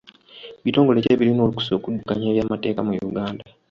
Bitongole ki ebirina olukusa okuddukanya eby'amateeka mu Uganda?